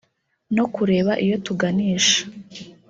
no kureba iyo tuganisha